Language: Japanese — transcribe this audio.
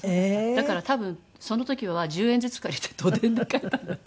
だから多分その時は１０円ずつ借りて都電で帰ったんだと。